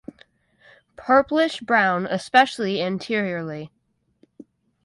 Purplish brown especially anteriorly.